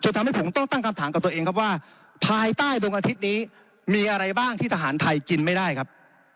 ทำให้ผมต้องตั้งคำถามกับตัวเองครับว่าภายใต้ดวงอาทิตย์นี้มีอะไรบ้างที่ทหารไทยกินไม่ได้ครับ